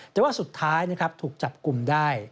แต่ว่าสุดท้ายถูกจับกลุ่มได้